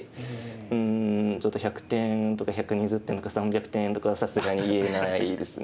うんちょっと１００点とか１２０点とか３００点とかはさすがに言えないですね。